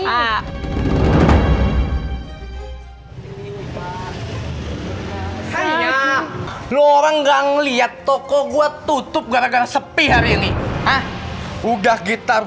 hai hai ya lu orang enggak ngelihat toko gua tutup gara gara sepi hari ini ah udah gitar